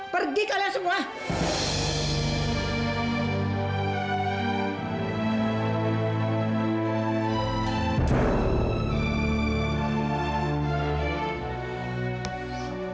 pergi kalian semua